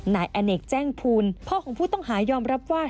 นายอเนกแจ้งภูลพ่อของผู้ต้องหายอมรับว่า